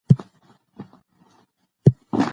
برسونه د میکروبونو وده کموي.